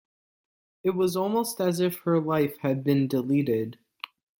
It was almost as if her life had been deleted.